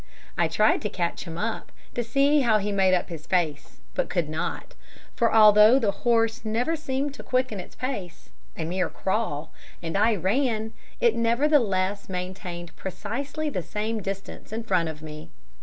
I tried to catch him up, to see how he made up his face, but could not, for although the horse never seemed to quicken its pace a mere crawl and I ran, it nevertheless maintained precisely the same distance in front of me.